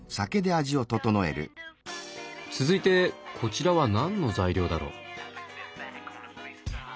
続いてこちらは何の材料だろう？